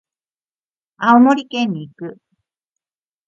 青森県に行く。